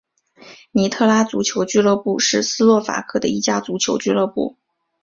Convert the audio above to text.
尼特拉足球俱乐部是斯洛伐克的一家足球俱乐部。